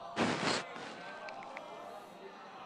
د سلسله مراتبو رعایت کول اړین دي.